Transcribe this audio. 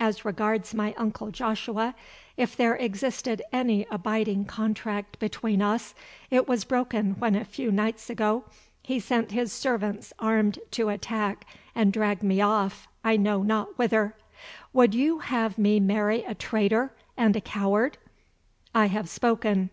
As regards my uncle Joshua, if there existed any abiding contract between us it was broken when a few nights ago he sent his servants armed to attack and drag me off I know not whither. Would you have me marry a traitor and a coward? I have spoken."